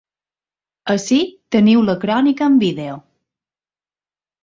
Ací teniu la crònica en vídeo.